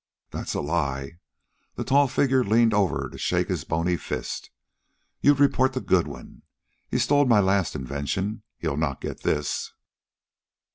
"That's a lie." The tall figure leaned over to shake a bony fist. "You'd report to Goodwin. He stole my last invention. He'll not get this."